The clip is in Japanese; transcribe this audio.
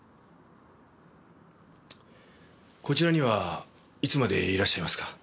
こちらにはいつまでいらっしゃいますか？